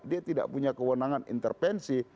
dia tidak punya kewenangan intervensi